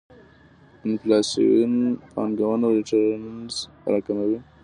انفلاسیون پانګونه ريټرنز راکموي.